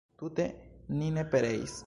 Tute ni ne pereis!